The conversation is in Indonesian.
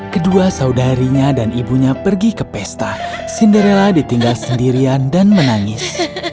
kedua saudarinya dan ibunya pergi ke pesta cinderella ditinggal sendirian dan menangis